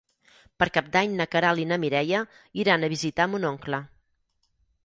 Per Cap d'Any na Queralt i na Mireia iran a visitar mon oncle.